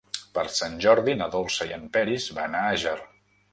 Per Sant Jordi na Dolça i en Peris van a Àger.